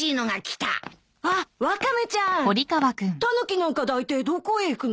タヌキなんか抱いてどこへ行くの？